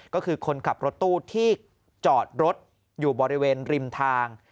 ก็คือคนขับรถตู้ที่จอดรถอยู่บริเวณริมทาง